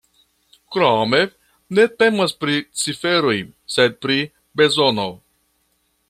Krome ne temas pri ciferoj, sed pri bezono.